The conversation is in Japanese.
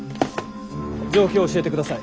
状況を教えてください。